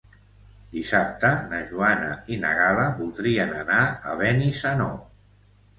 Dissabte na Joana i na Gal·la voldrien anar a Benissanó.